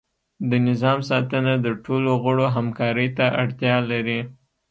د نظام ساتنه د ټولو غړو همکاری ته اړتیا لري.